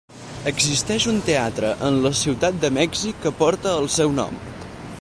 Existeix un teatre en la Ciutat de Mèxic que porta el seu nom.